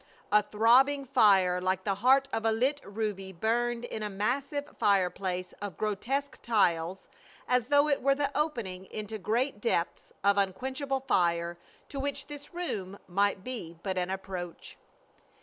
A throbbing fire like the heart of a lit ruby burned in a massive fireplace of grotesque tiles, as though it were the opening into great depths of unquenchable fire to which this room might be but an approach.